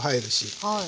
はい。